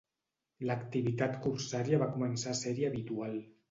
L'activitat corsària va començar a ser-hi habitual.